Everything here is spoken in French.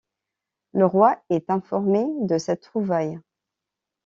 Le roi est informé de cette trouvaille.